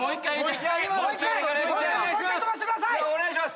お願いします。